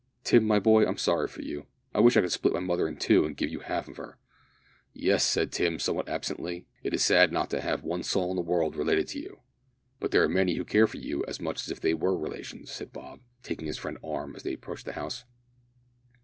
"Tim, my boy, I'm sorry for you. I wish I could split my mother in two and give you half of her." "Yes," said Tim, somewhat absently, "it is sad to have not one soul in the world related to you." "But there are many who care for you as much as if they were relations," said Bob, taking his friend's arm as they approached the house.